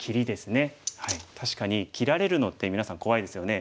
確かに切られるのってみなさん怖いですよね。